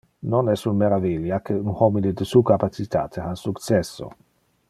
Non es un meravilia que un homine de su capacitate ha successo.